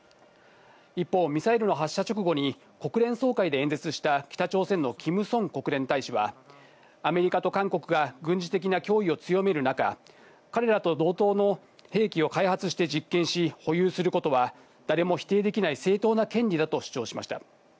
一方、ミサイルの発射直後に国連総会で演説した北朝鮮のキム・ソン国連大使は、アメリカと韓国が軍事的な脅威を強める中、彼らと同等の兵器を開発して実験し、保有することは誰も否定できない正当な権利だと主張しました。